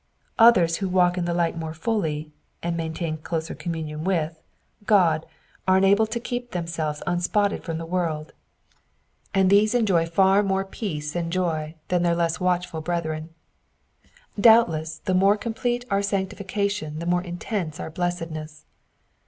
Others who walk in the light more fully, and maintain closer communion with, God are enabled to keep Digitized by VjOOQIC PSALM ONE HUNDBBD AND NINBTEEK— VEE8B3 1 TO 8. 13 themselves unspotted from the world, and these enjoy far more peace and joy than their less watchful brethren. Doubtless, the more complete our sanctification the more intense our blessedness.